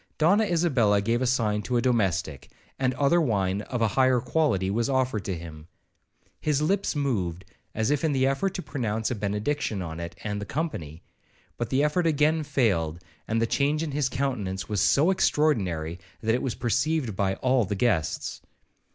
Donna Isabella gave a sign to a domestic, and other wine of a higher quality was offered to him. His lips moved, as if in the effort to pronounce a benediction on it and the company, but the effort again failed; and the change in his countenance was so extraordinary, that it was perceived by all the guests.